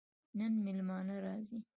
نن مېلمانه راځي